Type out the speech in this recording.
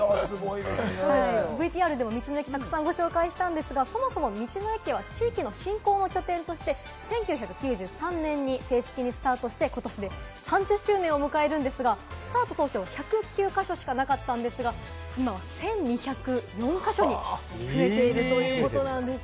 ＶＴＲでも道の駅、ご紹介したんですが、そもそも道の駅は地域振興の拠点として１９９３年に正式にスタートして、今年で３０周年を迎え、スタート当初の１０９か所から今は１２０４か所に増えているということなんです。